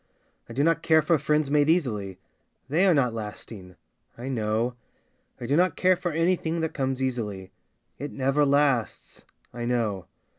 I do not care for friends made easily, They are not lasting — I know. I do not care for anything that comes easily, It never lasts — I know.